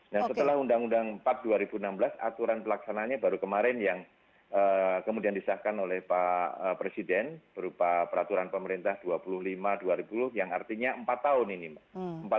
nah setelah undang undang empat dua ribu enam belas aturan pelaksananya baru kemarin yang kemudian disahkan oleh pak presiden berupa peraturan pemerintah dua puluh lima dua ribu yang artinya empat tahun ini mbak